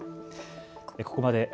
ここまで＃